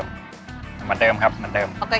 ทางนั้นมาเดิมครับมาเดิม